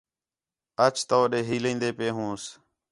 اَچ توݙے ہیلین٘دے پئے ہونس